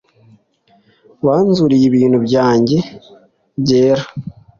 banziruriye ibintu byanjye byera